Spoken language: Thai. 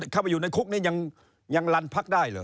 เข้าไปอยู่ในคุกนี้ยังลันพักได้เหรอ